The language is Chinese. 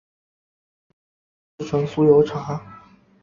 酥油可制成酥油茶。